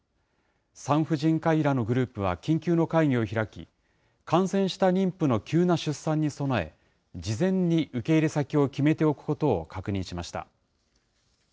産婦人科医らのグループは緊急の会議を開き、感染した妊婦の急な出産に備え、事前に受け入れ先を決めておくことを確認しました。